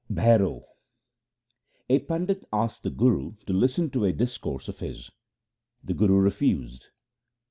Bhairo A pandit asked the Guru to listen to a discourse of his. The Guru refused.